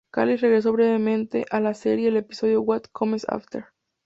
Callies regresó brevemente a la serie en el episodio What Comes After.